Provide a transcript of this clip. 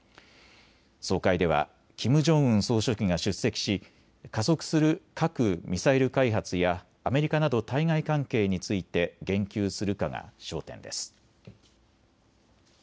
総会ではキム・ジョンウン総書記が出席し加速する核・ミサイル開発やアメリカなど対外関係について言及するかが焦点です。